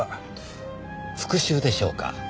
復讐でしょうか。